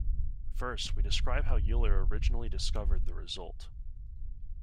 First, we describe how Euler originally discovered the result.